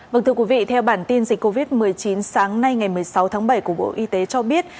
vâng thưa quý vị theo bản tin dịch covid một mươi chín sáng nay ngày một mươi sáu tháng bảy của bộ y tế cho biết